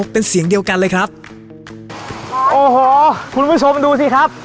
เป็นเสียงเดียวกันเลยครับโอ้โหคุณผู้ชมดูสิครับ